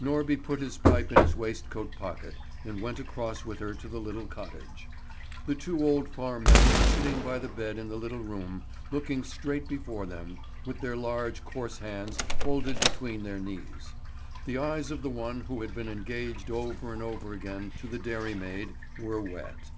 Norby put his pipe in his waistcoat pocket and went across with her to the little cottage. The two old farm men were sitting by the bed in the little room, looking straight before them, with their large coarse hands folded between their knees. The eyes of the one who had been engaged over and over again to the dairymaid were wet.